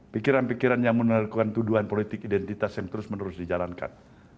pikiran pikiran yang menerkukan tuduhan politik identitas yang terus menerus dijalankan